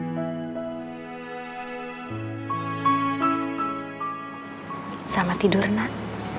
selamat tidur nak